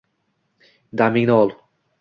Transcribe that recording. Damingni old!